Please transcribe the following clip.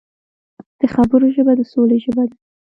د خبرو ژبه د سولې ژبه ده